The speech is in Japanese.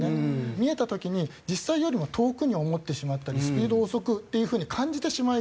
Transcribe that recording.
見えた時に実際よりも遠くに思ってしまったりスピードを遅くっていう風に感じてしまいがちなんです。